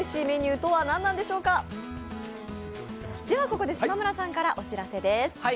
ここで島村さんからお知らせです。